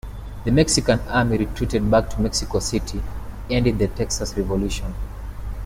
The Mexican army retreated back to Mexico City, ending the Texas Revolution.